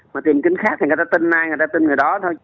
mà tìm kênh khác thì người ta tin ai người ta tin người đó thôi